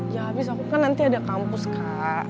ya habis aku kan nanti ada kampus kak